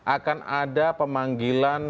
akan ada pemanggilan